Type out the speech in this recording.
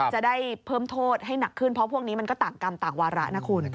จะได้เพิ่มโทษให้หนักขึ้นเพราะพวกนี้มันก็ต่างกรรมต่างวาระนะคุณ